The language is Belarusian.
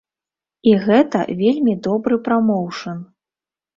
І гэта вельмі добры прамоўшн.